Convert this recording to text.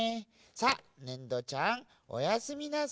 さあねんどちゃんおやすみなさい。